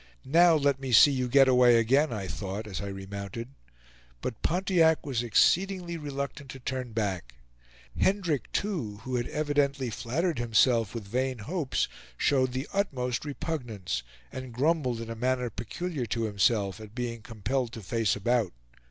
"Now let me see you get away again!" I thought, as I remounted. But Pontiac was exceedingly reluctant to turn back; Hendrick, too, who had evidently flattered himself with vain hopes, showed the utmost repugnance, and grumbled in a manner peculiar to himself at being compelled to face about.